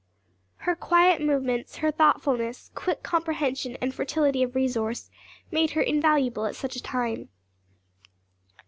Her quiet movements, her thoughtfulness, quick comprehension and fertility of resource, made her invaluable at such a time.